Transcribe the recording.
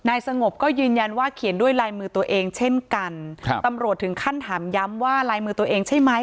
สงบก็ยืนยันว่าเขียนด้วยลายมือตัวเองเช่นกันครับตำรวจถึงขั้นถามย้ำว่าลายมือตัวเองใช่ไหม